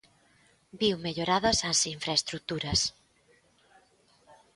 Viu melloradas as infraestruturas.